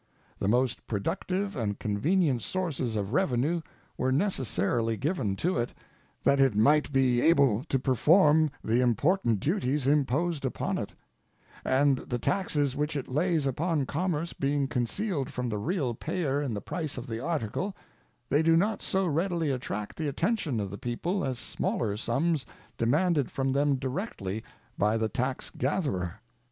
The most productive and convenient sources of revenue were necessarily given to it, that it might be able to perform the important duties imposed upon it; and the taxes which it lays upon commerce being concealed from the real payer in the price of the article, they do not so readily attract the attention of the people as smaller sums demanded from them directly by the taxgatherer.